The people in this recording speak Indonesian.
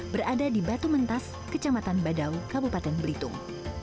berada di batu mentas kecamatan badau kabupaten belitung